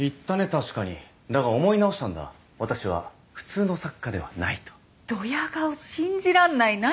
確かにだが思い直したんだ私は普通の作家ではないとドヤ顔信じらんない何？